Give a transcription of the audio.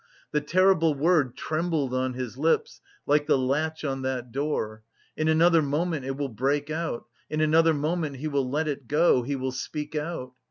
The terrible word trembled on his lips, like the latch on that door; in another moment it will break out, in another moment he will let it go, he will speak out.